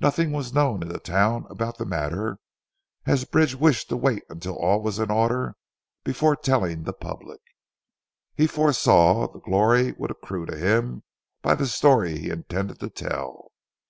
Nothing was known in the town about the matter, as Bridge wished to wait until all was in order before telling the public. He foresaw that glory would accrue to him by the story he intended to tell.